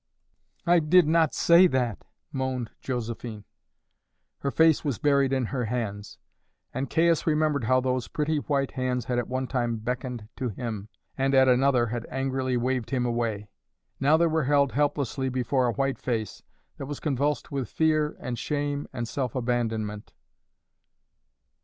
"I did not say that," moaned Josephine. Her face was buried in her hands, and Caius remembered how those pretty white hands had at one time beckoned to him, and at another had angrily waved him away. Now they were held helplessly before a white face that was convulsed with fear and shame and self abandonment.